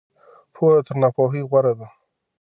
پوهه تر ناپوهۍ غوره ده.